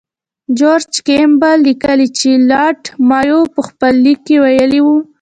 جورج کیمبل لیکي چې لارډ مایو په خپل لیک کې ویلي وو.